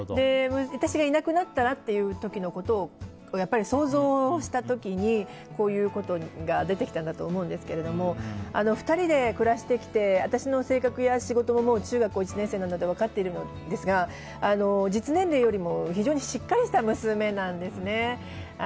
私がいなくなったらという時のことを想像した時にこういうことが出てきたんだと思うんですけれど２人で暮らしてきて私の性格や仕事も中学校１年生なので分かっているんですが実年齢よりも非常にしっかりした娘なんですね。